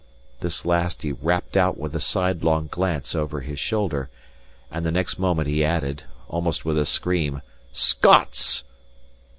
This last he rapped out with a sidelong glance over his shoulder; and the next moment added, almost with a scream, "Scots!"